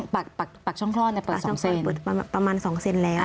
ปากช่องคล่อประมาณ๒เซนติเซนติแล้ว